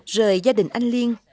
rời gia đình anh liên